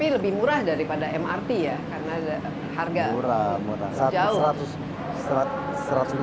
lebih murah daripada mrt ya karena harga sejauh